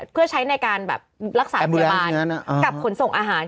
เพื่อใช้ในการแบบรักษาพยาบาลกับขนส่งอาหาร